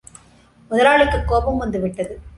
முதலாளிக்குக் கோபம் வந்துவிட்டது.